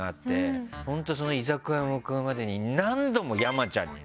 本当その居酒屋向かうまでに何度も山ちゃんにね。